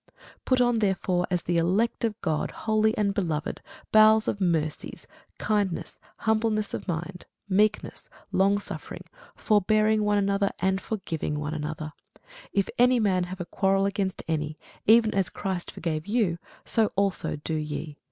Put on therefore, as the elect of God, holy and beloved, bowels of mercies, kindness, humbleness of mind, meekness, longsuffering; forbearing one another, and forgiving one another, if any man have a quarrel against any: even as Christ forgave you, so also do ye.